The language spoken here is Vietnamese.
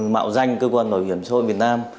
mạo danh cơ quan bảo hiểm xã hội việt nam